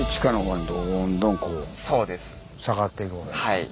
はい。